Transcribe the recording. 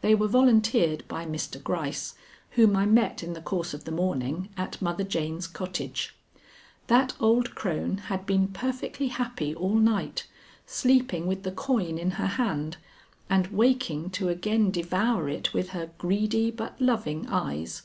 They were volunteered by Mr. Gryce, whom I met in the course of the morning at Mother Jane's cottage. That old crone had been perfectly happy all night, sleeping with the coin in her hand and waking to again devour it with her greedy but loving eyes.